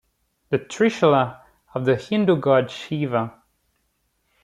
The trishula of the Hindu god Shiva.